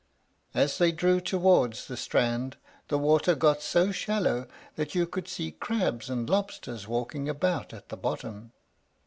As they drew towards the strand, the water got so shallow that you could see crabs and lobsters walking about at the bottom.